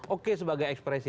oke sebagai ekspresi